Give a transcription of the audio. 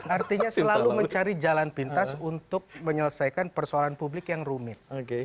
artinya selalu mencari jalan pintas untuk menyelesaikan persoalan publik yang rumit